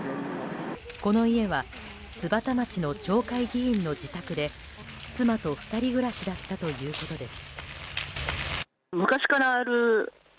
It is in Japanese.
この家は津幡町の町会議員の自宅で妻と２人暮らしだったということです。